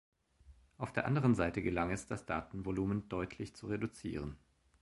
Auf der anderen Seite gelang es, das Datenvolumen deutlich zu reduzieren.